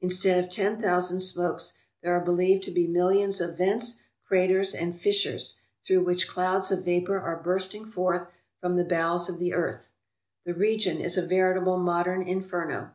In stead of ten thousand smokes, there are believed to be millions of vents, craters, and fissures, through which clouds of vapour are bursting forth from the bowels of the earth. The region is a veritable modern inferno.